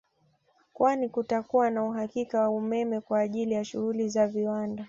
Kwani kutakuwa na uhakika wa umeme kwa ajili ya shughuli za viwanda